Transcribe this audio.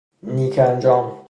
نیک انجام